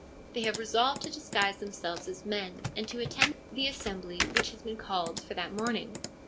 They have resolved to disguise them selves as men, and to attend the assembly which has been called for that morning.